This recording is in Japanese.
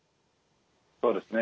そうですね